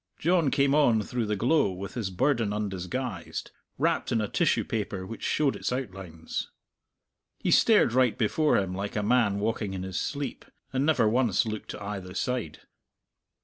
John came on through the glow with his burden undisguised, wrapped in a tissue paper which showed its outlines. He stared right before him like a man walking in his sleep, and never once looked to either side.